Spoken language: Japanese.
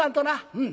「うん」。